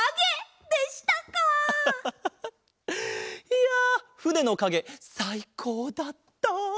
いやふねのかげさいこうだった！